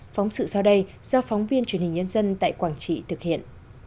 phóng sự sau đây do phóng viên truyền hình nhân dân tại quảng trị thực hiện